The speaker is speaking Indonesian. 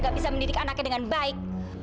gak bisa mendidik anaknya dengan baik